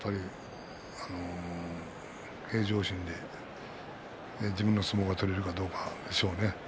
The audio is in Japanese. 平常心で自分の相撲が取れるかどうか。